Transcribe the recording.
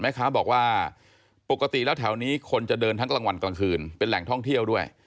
แม่ค้าบอกว่าปกติแล้วแถวนี้คนจะเดินทั้งกลางวันกลางคืนเป็นแหล่งท่องเที่ยวด้วย